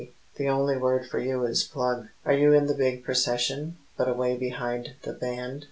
the only word for you Is plug. Are you in the big procession, but away behind the band?